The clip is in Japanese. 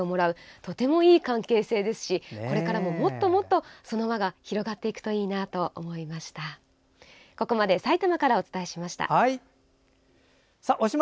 とてもいい関係性ですしこれからももっともっとその輪が広がっていくといいなと思いました。